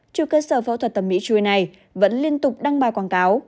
chủ cơ sở phẫu thuật thẩm mỹ chui này vẫn liên tục đăng bài quảng cáo